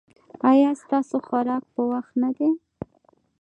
ایا ستاسو خوراک په وخت نه دی؟